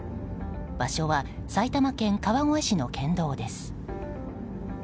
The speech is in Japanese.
場所は埼玉県川越市の県道です。